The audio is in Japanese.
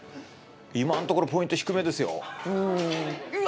今んところポイント低めですよ。